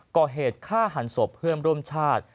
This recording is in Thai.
ก่อเหตุฆ่าหันศพเพื่อนร่วมชาติ